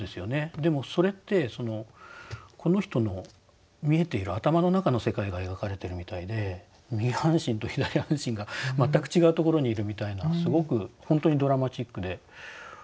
でもそれってこの人の見えている頭の中の世界が描かれてるみたいで右半身と左半身が全く違うところにいるみたいなすごく本当にドラマチックでびっくりしちゃいました。